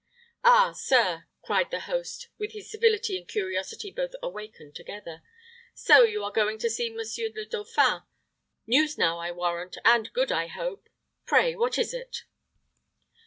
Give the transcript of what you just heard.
"Ah, sir," cried the host, with his civility and curiosity both awakened together; "so you are going to see Monseigneur le Dauphin? News now, I warrant, and good, I hope pray, what is it?"